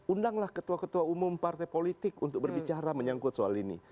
undanglah ketua ketua umum partai politik untuk berbicara menyangkut soal ini